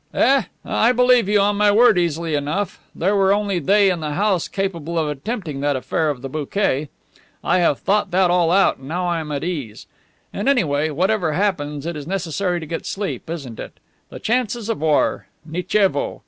"Eh, eh, I believe you, on my word, easily enough. There were only they in the house capable of attempting that affair of the bouquet. I have thought that all out, and now I am at ease. And anyway, whatever happens, it is necessary to get sleep, isn't it? The chances of war! Nichevo!"